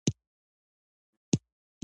خان زمان وویل: ولې نه؟